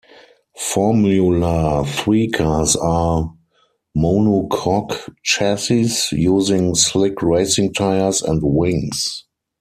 Formula Three cars are monocoque chassis, using slick racing tyres and wings.